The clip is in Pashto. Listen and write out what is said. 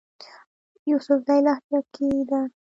يوسفزئ لهجه کښې ده